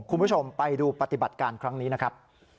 คุณผู้ชมไปดูปฏิบัติการครั้งนี้นะครับ